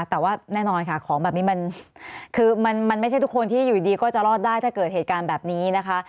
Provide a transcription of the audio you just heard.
แต่ว่าแน่นอนค่ะของแบบนี้มันคือมันไม่ใช่ทุกคนที่อยู่ดีก็จะรอดได้ถ้าเกิดเหตุการณ์แบบนี้นะคะ